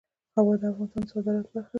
هوا د افغانستان د صادراتو برخه ده.